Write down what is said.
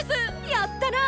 やったな！